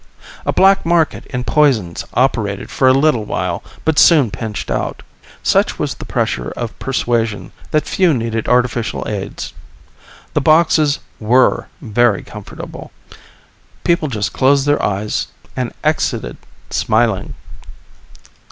A black market in poisons operated for a little while, but soon pinched out. Such was the pressure of persuasion that few needed artificial aids. The boxes were very comfortable. People just closed their eyes and exited smiling.